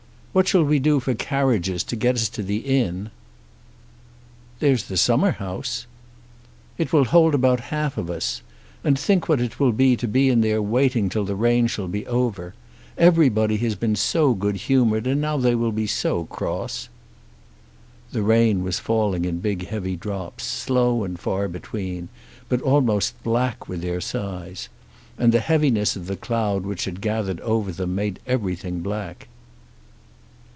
"What shall we do for carriages to get us to the inn?" "There's the summer house." "It will hold about half of us. And think what it will be to be in there waiting till the rain shall be over! Everybody has been so good humoured and now they will be so cross!" The rain was falling in big heavy drops, slow and far between, but almost black with their size. And the heaviness of the cloud which had gathered over them made everything black.